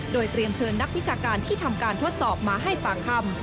โดยเตรียมเชิญนักวิชาการที่ทำการทดสอบมาให้ปากคำ